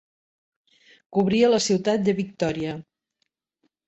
Cobria la ciutat de Victòria.